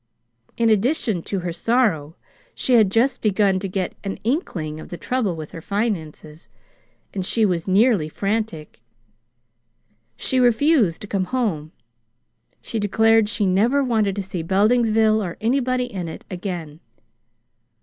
In addition to her sorrow, she had just begun to get an inkling of the trouble with her finances, and she was nearly frantic. She refused to come home. She declared she never wanted to see Beldingsville, or anybody in it, again.